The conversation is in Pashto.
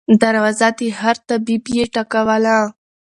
دروازه د هر طبیب یې ټکوله